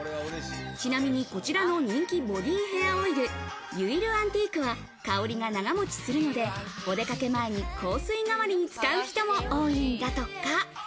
ちなみにこちらの人気ボディヘアオイル、ユイル・アンティークは香りが長持ちするので、お出かけ前に香水代わりに使う人も多いんだとか。